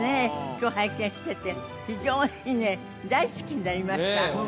今日拝見してて非常にね大好きになりました